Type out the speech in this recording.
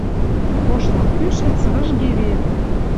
Ош лым кӱшӹц выжге вел.